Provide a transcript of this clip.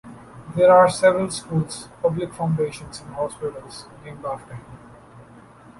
There are several schools, public foundations and hospitals named after him.